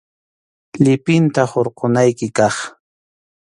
Llipinta hurqukunayki kaq.